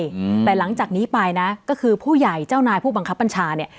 อืมแต่หลังจากนี้ไปนะก็คือผู้ใหญ่เจ้านายผู้บังคับบัญชาเนี้ย